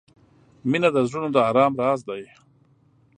• مینه د زړونو د آرام راز دی.